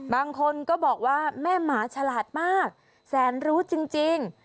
บางคนก็บอกว่าแม่หมาฉลาดมากแสนรู้จริง